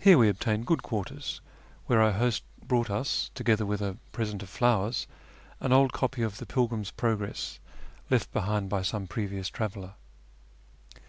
Here we obtained good quarters, where our host brought us, together with a present of flowers, an old copy of the Pilgrims Progress left behind by some previous traveller.